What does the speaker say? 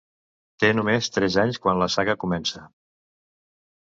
Té només tres anys quan la saga comença.